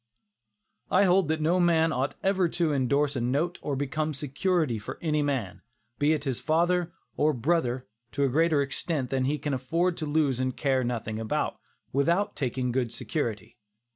I hold that no man ought ever to indorse a note or become security for any man, be it his father or brother, to a greater extent than he can afford to lose and care nothing about, without taking good security.